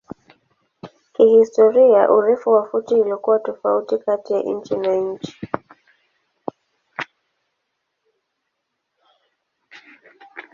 Kihistoria urefu wa futi ilikuwa tofauti kati nchi na nchi.